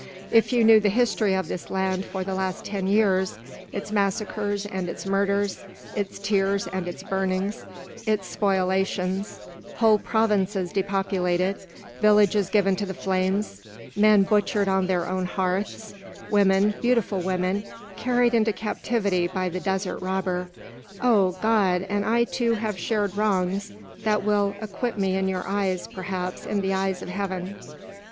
If you knew the history of this land for the last ten years; its massacres and its murders; its tears and its burnings; its spoliations; whole provinces depopulated; villages given to the flames; men butchered on their own hearths; women, beautiful women, carried into captivity by the desert robber! Oh, God! and I too have shared wrongs that will acquit me in your eyes, perhaps in the eyes of Heaven!"